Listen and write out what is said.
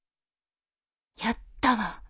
やったわ。